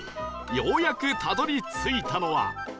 ようやくたどり着いたのは